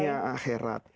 berat sekali dunia akhirat